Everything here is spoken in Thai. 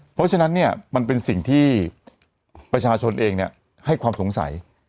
เพราะฉะนั้นเนี่ยมันเป็นสิ่งที่ประชาชนเองให้ความสงสัย